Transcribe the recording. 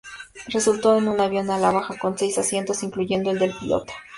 Resultó en un avión de ala baja con seis asientos, incluyendo el del piloto.